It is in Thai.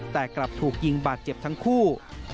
แต่กลับถูกยิงบาดเจ็บทั้งคู่